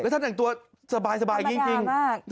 ท่านแต่งตัวสบายจริง